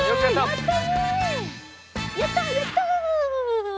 やったやった！